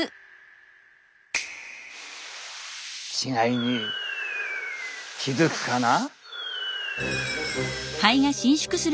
違いに気付くかな？